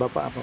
bapak apa pak